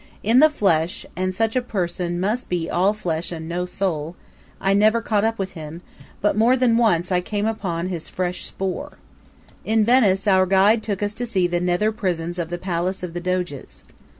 In the flesh and such a person must be all flesh and no soul I never caught up with him, but more than once I came upon his fresh spoor. In Venice our guide took us to see the nether prisons of the Palace of the Doges.